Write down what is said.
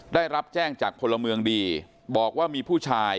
ได้รับแจ้งจากพลเมืองดีบอกว่ามีผู้ชาย